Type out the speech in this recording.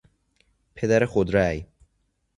پدر خودرای